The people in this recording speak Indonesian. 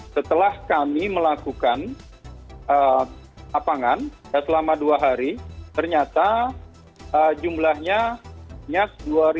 setelah kami melakukan apangan selama dua hari ternyata jumlahnya dua sembilan ratus sembilan pak